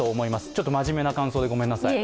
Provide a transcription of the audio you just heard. ちょっと真面目な感想でごめんなさい。